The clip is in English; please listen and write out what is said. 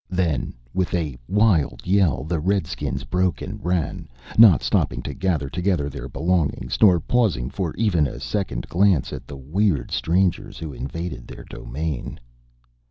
Then, with a wild yell, the redskins broke and ran, not stopping to gather together their belongings, nor pausing for even a second glance at the weird strangers who invaded their domain.